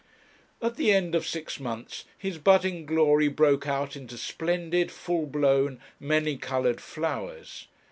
At the end of six months his budding glory broke out into splendid, full blown, many coloured flowers.